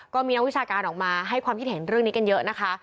ก็มีนักวิชาการออกมาให้ความคิดเห็นเรื่องนี้กันเยอะนะคะ